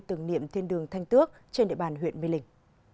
tưởng niệm thiên đường thanh tước trên địa bàn huyện mê linh